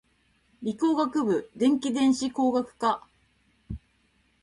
理工学部電気電子工学科